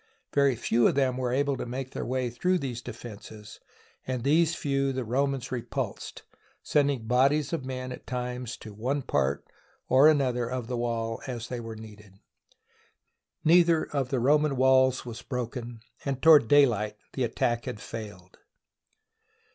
Very few of them were able to make their way through these defences, and these few the Ro mans repulsed, sending bodies of men at times to one part or another of the wall as they were needed. Neither of the Roman walls was broken, and to ward daylight the attack had failed.